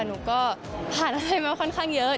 หนูก็ผ่านอะไรมาค่อนข้างเยอะ